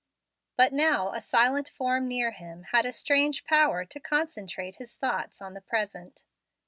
But now a silent form near him had a strange power to concentrate his thoughts on the present.